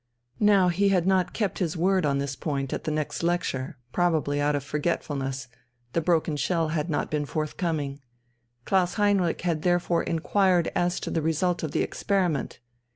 Now he had not kept his word on this point at the next lecture, probably out of forgetfulness: the broken shell had not been forthcoming Klaus Heinrich had therefore inquired as to the result of the experiment.